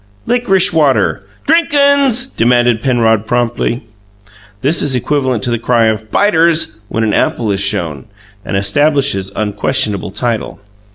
"Lickrish water." "Drinkin's!" demanded Penrod promptly. This is equivalent to the cry of "Biters" when an apple is shown, and establishes unquestionable title.